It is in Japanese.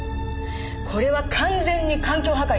これは完全に環境破壊ですよね？